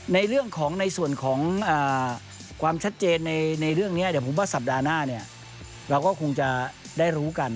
ในเรื่องของในส่วนของความชัดเจนในเรื่องนี้เดี๋ยวผมว่าสัปดาห์หน้าเนี่ยเราก็คงจะได้รู้กัน